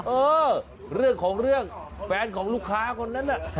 เออเรื่องของเรื่องแฟนของลูกค้าคนนั้นน่ะ